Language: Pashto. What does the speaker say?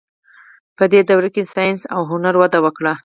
په دې دوره کې ساینس او هنر وده وکړه.